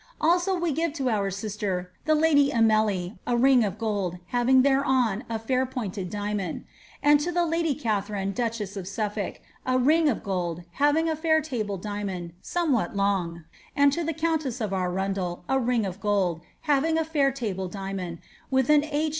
Alrio we give to our sister, tlie lady Emely, a ring of gold, hariog thereon a fair pointed diamond. And to the laily Katharine, duchess of SuflbUc.^ a ring of gold, having a fair table diamond, somewhat long, and to the countess of Arundel a ring of gold, having a fair table diamond, with an H.